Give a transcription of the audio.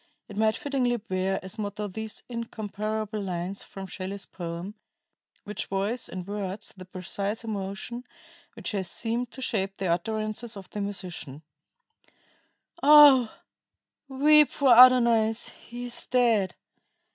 It might fittingly bear as motto these incomparable lines from Shelley's poem, which voice in words the precise emotion which has seemed to shape the utterances of the musician: "Oh, weep for Adonais he is dead!